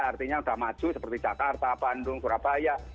artinya sudah maju seperti jakarta bandung surabaya